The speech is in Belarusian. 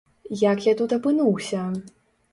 Як я тут апынуўся?